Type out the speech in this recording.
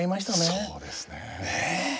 そうなんですね。